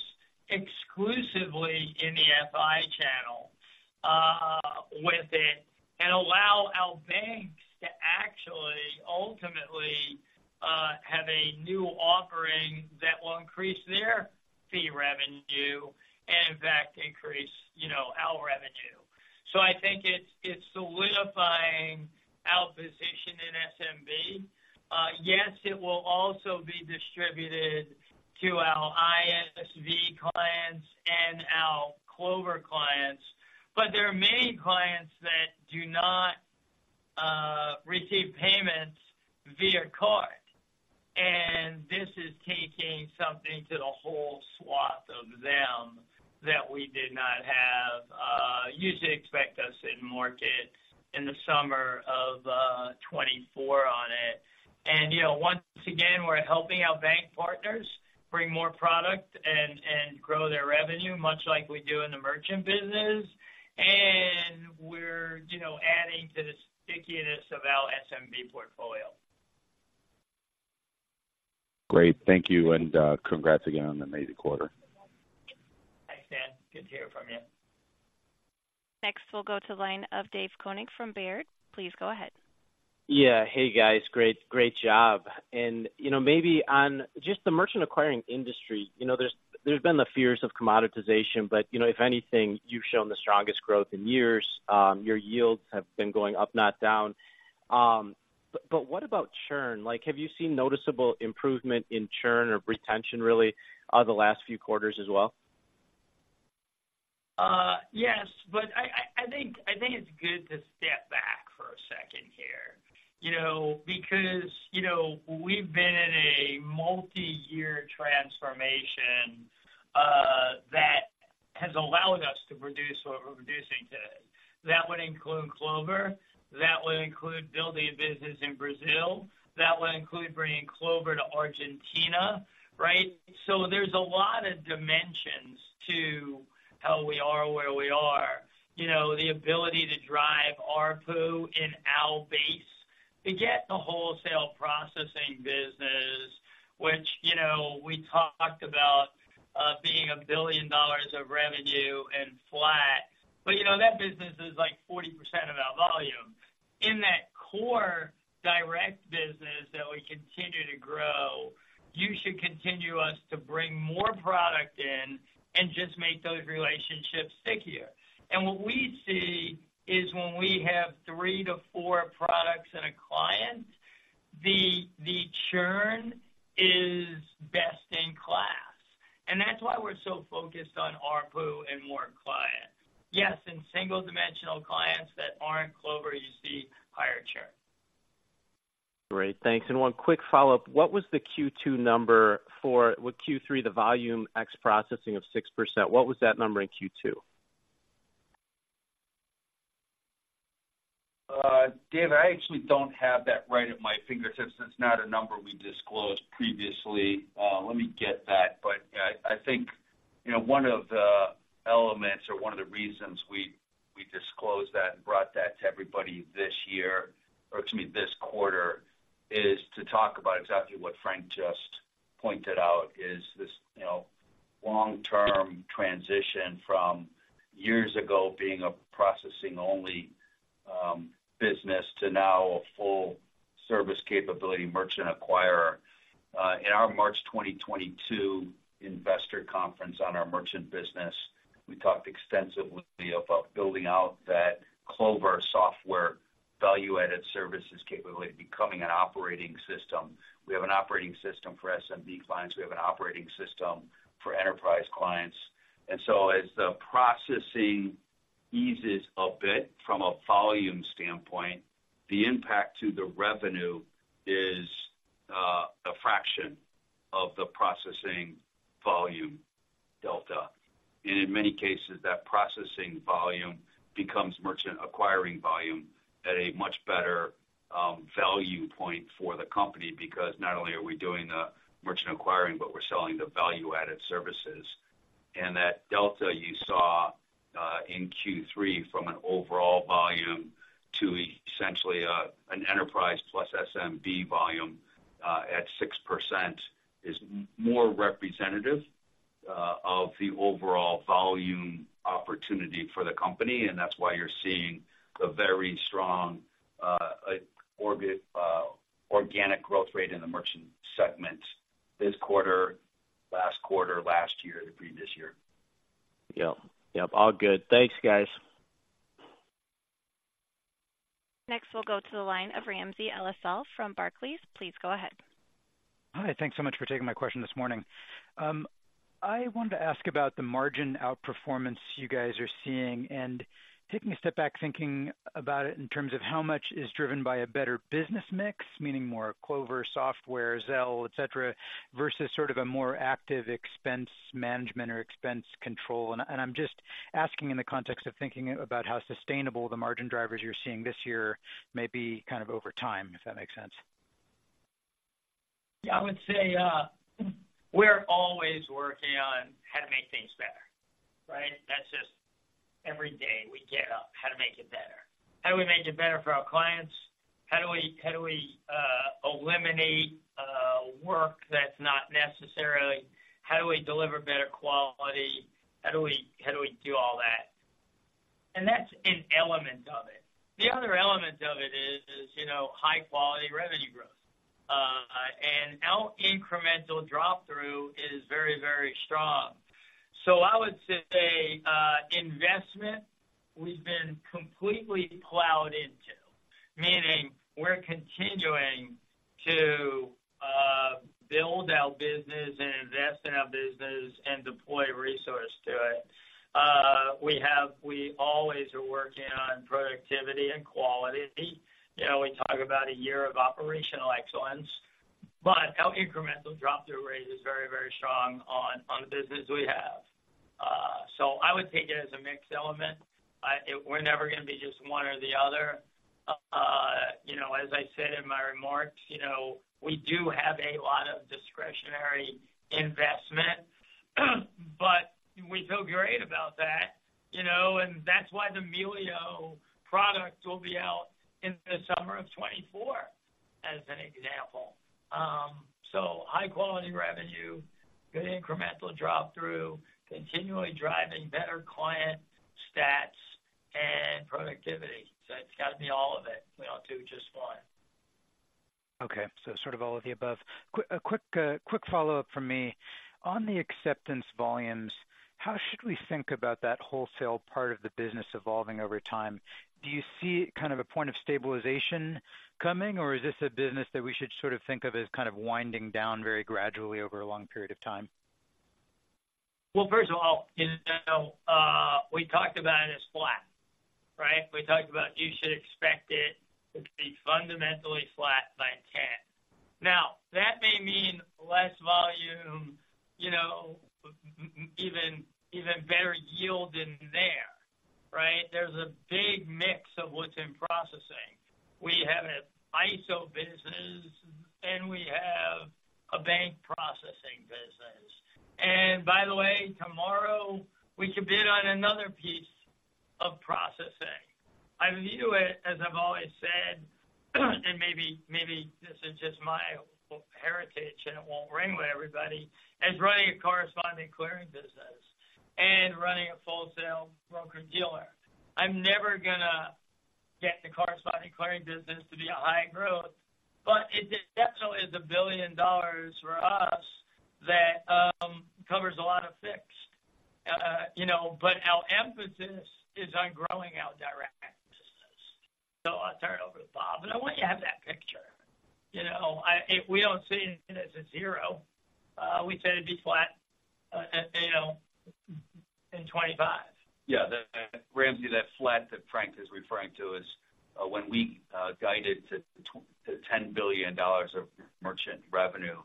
exclusively in the FI channel with it, and allow our banks to actually ultimately have a new offering that will increase their fee revenue and in fact, increase, you know, our revenue. So I think it's solidifying our position in SMB. Yes, it will also be distributed to our ISV clients and our Clover clients, but there are many clients that do not receive payments via card, and this is taking something to the whole swath of them that we did not have. You should expect us in market in the summer of 2024 on it. And, you know, once again, we're helping our bank partners bring more product and grow their revenue, much like we do in the merchant business. And we're, you know, adding to the stickiness of our SMB portfolio. Great. Thank you, and, congrats again on an amazing quarter. Thanks, Dan. Good to hear from you. Next, we'll go to the line of Dave Koning from Baird. Please go ahead. Yeah. Hey, guys. Great, great job. You know, maybe on just the merchant acquiring industry, you know, there's been the fears of commoditization, but, you know, if anything, you've shown the strongest growth in years. Your yields have been going up, not down. But what about churn? Like, have you seen noticeable improvement in churn or retention really, the last few quarters as well? Yes, but I think it's good to step back for a second here. You know, because, you know, we've been in a multi-year transformation that has allowed us to produce what we're producing today. That would include Clover, that would include building a business in Brazil, that would include bringing Clover to Argentina, right? So there's a lot of dimensions to how we are where we are. You know, the ability to drive ARPU in our base, to get the wholesale processing business, which, you know, we talked about, being $1 billion of revenue and flat. But, you know, that business is like 40% of our volume. In that core direct business that we continue to grow, you should continue us to bring more product in and just make those relationships stickier. And what we see is when we have three to four products in a client, the churn is best in class, and that's why we're so focused on ARPU and more clients. Yes, in single dimensional clients that aren't Clover, you see higher churn. Great, thanks. And one quick follow-up. What was the Q2 number for—with Q3, the volume ex processing of 6%, what was that number in Q2? Dave, I actually don't have that right at my fingertips. It's not a number we disclosed previously. Let me get that. But I think, you know, one of the elements or one of the reasons we disclosed that and brought that to everybody this year, or excuse me, this quarter, is to talk about exactly what Frank just pointed out, is this, you know, long-term transition from years ago being a processing-only business, to now a full service capability merchant acquirer. In our March 2022 investor conference on our merchant business, we talked extensively about building out that Clover software value-added services capability becoming an operating system. We have an operating system for SMB clients. We have an operating system for enterprise clients. So as the processing eases a bit from a volume standpoint, the impact to the revenue is a fraction of the processing volume delta. In many cases, that processing volume becomes merchant acquiring volume at a much better value point for the company, because not only are we doing the merchant acquiring, but we're selling the value-added services. That delta you saw in Q3 from an overall volume to essentially an enterprise plus SMB volume at 6% is more representative of the overall volume opportunity for the company, and that's why you're seeing the very strong organic growth rate in the merchant segment this quarter, last quarter, last year, the previous year. Yep. Yep, all good. Thanks, guys. Next, we'll go to the line of Ramsey El-Assal from Barclays. Please go ahead. Hi, thanks so much for taking my question this morning. I wanted to ask about the margin outperformance you guys are seeing, and taking a step back, thinking about it in terms of how much is driven by a better business mix, meaning more Clover, software, Zelle, et cetera, versus sort of a more active expense management or expense control. And, and I'm just asking in the context of thinking about how sustainable the margin drivers you're seeing this year may be kind of over time, if that makes sense. Yeah, I would say, we're always working on how to make things better, right? That's just every day we get up, how to make it better. How do we make it better for our clients? How do we eliminate work that's not necessarily, how do we deliver better quality? How do we do all that? And that's an element of it. The other element of it is, you know, high-quality revenue growth. And our incremental drop-through is very, very strong. So I would say, investment, we've been completely plowed into, meaning we're continuing to build our business and invest in our business and deploy resource to it. We always are working on productivity and quality. You know, we talk about a year of operational excellence, but our incremental drop-through rate is very, very strong on the business we have. So I would take it as a mixed element. We're never going to be just one or the other. You know, as I said in my remarks, you know, we do have a lot of discretionary investment, but we feel great about that, you know, and that's why the Melio product will be out in the summer of 2024, as an example. So high-quality revenue, good incremental drop-through, continually driving better client stats and productivity. So it's got to be all of it. We don't do just one. Okay. So sort of all of the above. Quick, a quick follow-up from me. On the acceptance volumes, how should we think about that wholesale part of the business evolving over time? Do you see kind of a point of stabilization coming, or is this a business that we should sort of think of as kind of winding down very gradually over a long period of time? Well, first of all, you know, we talked about it as flat, right? We talked about you should expect it to be fundamentally flat by $10 billion. Now, that may mean less volume, you know, even better yield in there, right? There's a big mix of what's in processing. We have an ISO business, and we have a bank processing business. And by the way, tomorrow, we compete on another piece of processing. I view it, as I've always said, and maybe, maybe this is just my heritage, and it won't ring with everybody, as running a correspondent clearing business and running a wholesale broker-dealer. I'm never gonna get the correspondent clearing business to be a high growth, but it definitely is $1 billion for us that covers a lot of fixed. You know, but our emphasis is on growing our direct business. So I'll turn it over to Bob, but I want you to have that picture. You know, if we don't see it as a zero, we say it'd be flat, you know, in 2025. Yeah, Ramsey, that flat that Frank is referring to is when we guided to $10 billion of merchant revenue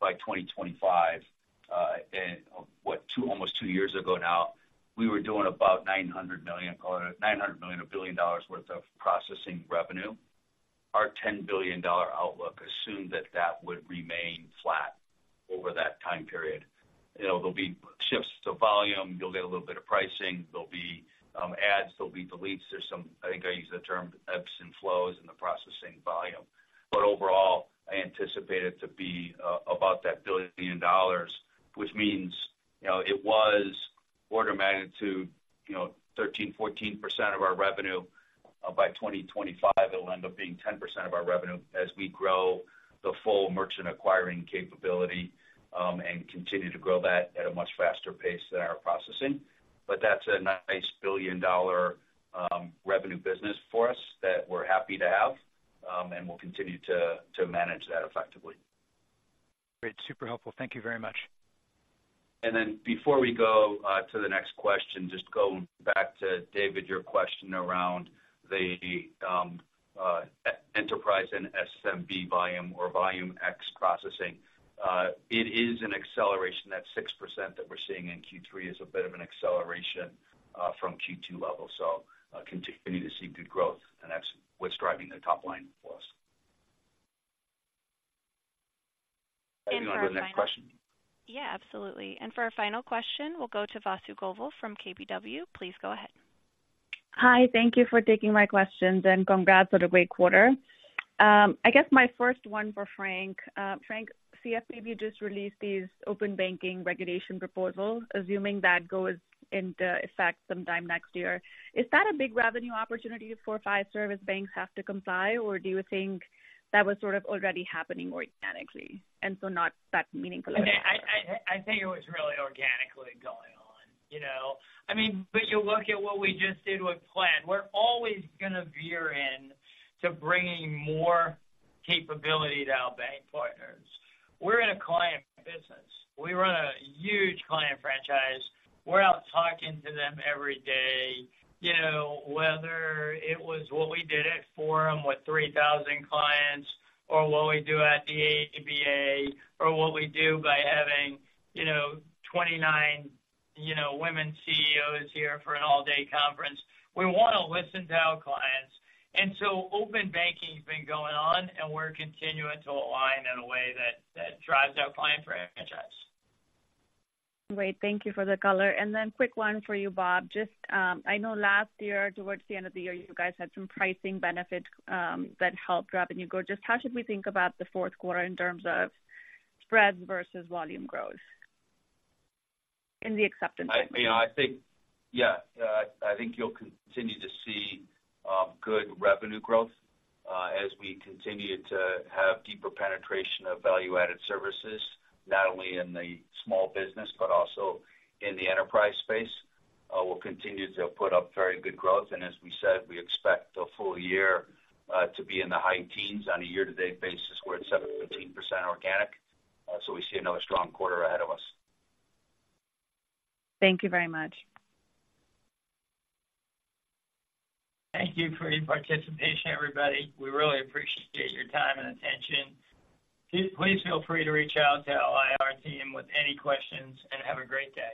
by 2025, and what? Almost two years ago now, we were doing about $900 million, $900 million, $1 billion worth of processing revenue. Our $10 billion outlook assumed that that would remain flat over that time period. You know, there'll be shifts to volume, you'll get a little bit of pricing, there'll be adds, there'll be deletes. There's some... I think I use the term ebbs and flows in the processing volume. But overall, I anticipate it to be about that $1 billion, which means, you know, it was order of magnitude, you know, 13%-14% of our revenue. By 2025, it'll end up being 10% of our revenue as we grow the full merchant acquiring capability, and continue to grow that at a much faster pace than our processing. But that's a nice $1 billion revenue business for us that we're happy to have, and we'll continue to manage that effectively. Great. Super helpful. Thank you very much. And then before we go to the next question, just to go back to David, your question around the enterprise and SMB volume or volume ex processing. It is an acceleration. That 6% that we're seeing in Q3 is a bit of an acceleration from Q2 levels, so continuing to see good growth, and that's what's driving the top line for us. If you want to go to the next question. Yeah, absolutely. And for our final question, we'll go to Vasu Govil from KBW. Please go ahead. Hi, thank you for taking my questions, and congrats on a great quarter. I guess my first one for Frank. Frank, CFPB just released these open banking regulation proposals. Assuming that goes into effect sometime next year, is that a big revenue opportunity for Fiserv as banks have to comply, or do you think that was sort of already happening organically and so not that meaningful? I think it was really organically going on, you know. I mean, but you look at what we just did with Plaid. We're always going to veer in to bringing more capability to our bank partners. We're in a client business. We run a huge client franchise. We're out talking to them every day, you know, whether it was what we did at Forum with 3,000 clients or what we do at the ABA, or what we do by having, you know, 29, you know, women CEOs here for an all-day conference. We want to listen to our clients, and so open banking's been going on, and we're continuing to align in a way that drives our client franchise. Great, thank you for the color. And then quick one for you, Bob. Just, I know last year, towards the end of the year, you guys had some pricing benefits, that helped revenue grow. Just how should we think about the fourth quarter in terms of spreads versus volume growth in the acceptance segment? You know, I think you'll continue to see good revenue growth as we continue to have deeper penetration of value-added services, not only in the small business, but also in the enterprise space. We'll continue to put up very good growth, and as we said, we expect the full year to be in the high teens. On a year-to-date basis, we're at 17% organic, so we see another strong quarter ahead of us. Thank you very much. Thank you for your participation, everybody. We really appreciate your time and attention. Please, please feel free to reach out to our IR team with any questions, and have a great day.